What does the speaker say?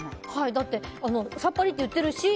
だってさっぱりって言ってるし。